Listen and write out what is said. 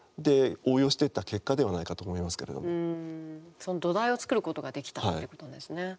その土台を作ることができたということですね。